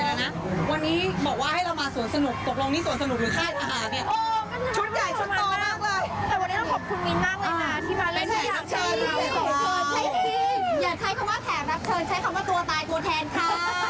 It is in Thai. อย่าใช้คำว่าแขกรับเชิญใช้คำว่าตัวตายตัวแทนค่ะ